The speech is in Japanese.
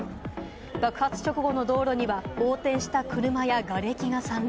爆発直後の道路には横転した車やがれきが散乱。